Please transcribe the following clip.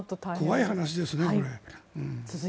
怖い話ですね、これ。